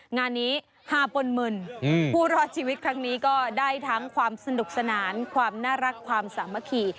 งานนี้ฮาปนหมื่นผู้รอดชีวิตครั้งนี้ก็ได้ทั้งความสนุกสนานความน่ารักความสามัคคี